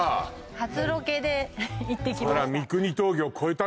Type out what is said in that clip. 初ロケで行ってきました